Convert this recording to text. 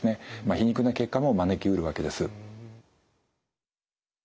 皮肉な結果も招きうるわけです。